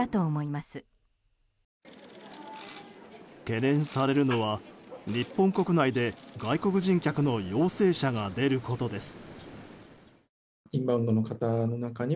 懸念されるのは日本国内で外国人客の陽性者が出ることです。